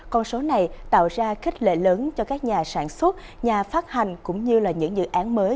con số này tạo ra kích lệ lớn cho các nhà sản xuất nhà phát hành cũng như là những dự án mới